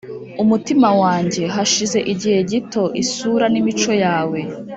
umutima wange hashize igihe gito isura nimico yawe